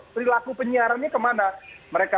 berlaku penyiarannya kemana mereka